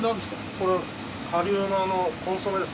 これ顆粒のコンソメです。